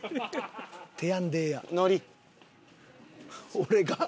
俺が？